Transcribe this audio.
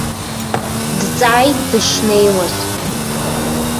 Дҵааит дышнеиуаз.